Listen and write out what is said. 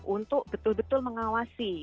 untuk betul betul mengawasi